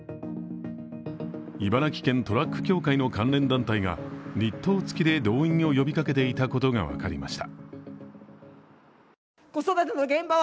茨城県トラック協会の関連団体が日当付きで動員を呼びかけていたことが分かりました。